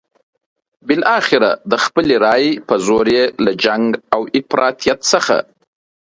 بالاخره د خپلې رايې په زور یې له جنګ او افراطیت څخه.